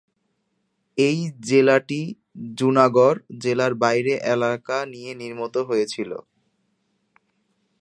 এই জেলাটি জুনাগড় জেলার বাইরে এলাকা নিয়ে নির্মিত হয়েছিল।